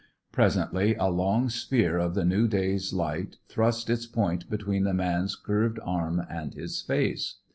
Presently, a long spear of the new day's light thrust its point between the man's curved arm and his face.